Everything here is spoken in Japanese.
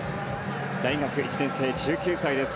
大学１年生、１９歳です。